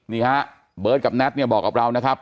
นี่ฮะเบิร์ตกับแน็ตเนี่ยบอกกับเรานะครับ